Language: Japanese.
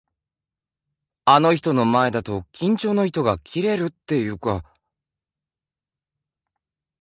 あの人の前だと、緊張の糸が切れるっていうか。